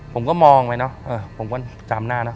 ผมก็มองไปเนอะผมก็จำหน้านะ